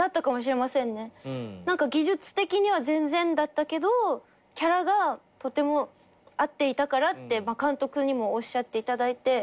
何か技術的には全然だったけどキャラがとても合っていたからって監督にもおっしゃっていただいて。